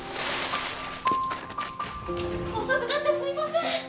遅くなってすいません！